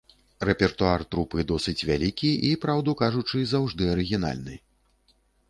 Рэпертуар трупы досыць вялікі і, праўду кажучы, заўжды арыгінальны.